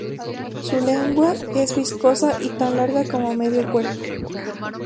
Su lengua es viscosa y tan larga como medio cuerpo.